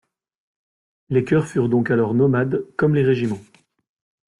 Les cœurs furent donc alors nomades comme les régiments.